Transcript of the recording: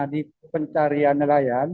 di pencarian nelayan